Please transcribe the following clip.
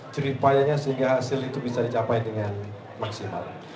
ceritanya sehingga hasil itu bisa dicapai dengan maksimal